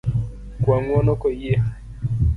Kwa ng'uono koyie.